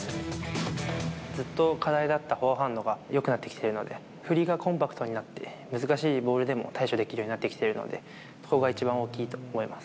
ずっと課題だったフォアハンドがよくなってきてるので、振りがコンパクトになって、難しいボールでも対処できるようになってきているので、ここが一番大きいと思います。